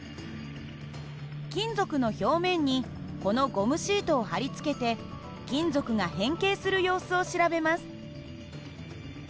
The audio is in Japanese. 金属の表面にこのゴムシートを貼り付けて金属が変形する様子を調べます。